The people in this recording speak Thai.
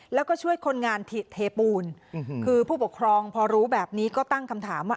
แล้วก็ช่วยคนงานเทปูนคือผู้ปกครองพอรู้แบบนี้ก็ตั้งคำถามว่า